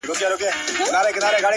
• د طلا او جواهرو له شامته ,